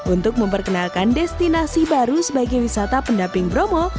untuk memperkenalkan destinasi baru sebagai wisata pendamping bromo